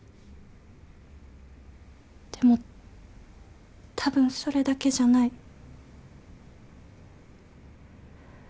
でもたぶんそれだけじゃない。